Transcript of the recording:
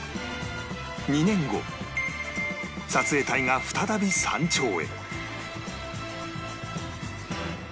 ２年後撮影隊が再び山頂へ